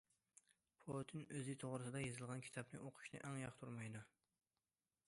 پۇتىن ئۆزى توغرىسىدا يېزىلغان كىتابنى ئۇقۇشنى ئەڭ ياقتۇرمايدۇ.